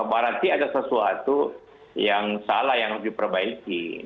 berarti ada sesuatu yang salah yang harus diperbaiki